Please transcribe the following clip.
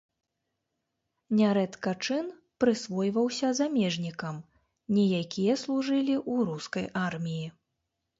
Нярэдка чын прысвойваўся замежнікам, не якія служылі ў рускай арміі.